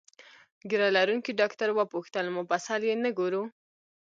ږیره لرونکي ډاکټر وپوښتل: مفصل یې نه ګورو؟